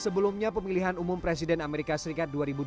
sebelumnya pemilihan umum presiden amerika serikat